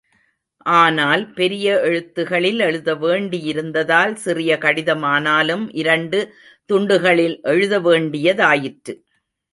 ஆனால் பெரிய எழுத்துகளில் எழுத வேண்டியிருந்ததால் சிறிய கடிதமானாலும் இரண்டு துண்டுகளில் எழுத வேண்டியதாயிற்று.